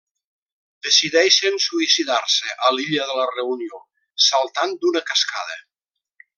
Decideixen suïcidar-se a l'Illa de la Reunió saltant d'una cascada.